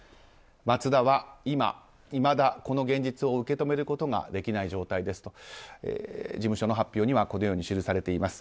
松田はいまだ、この現実を受け止めることができない状態ですと事務所の発表にはこのように記されています。